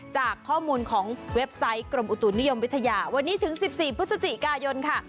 จากข้อมูลของเว็บไซต์กรมอุตุนิยมวิทยาวันนี้ถึง๑๔พฤศจิกายนค่ะ